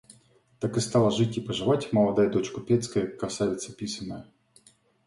Так и стала жить и поживать молодая дочь купецкая, красавица писаная.